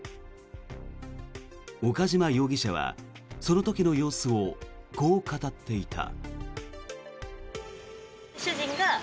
岡島容疑者はその時の様子をこう語っていた。